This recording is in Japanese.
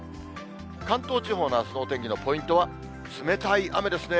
関東地方のあすの天気のポイントは、冷たい雨ですね。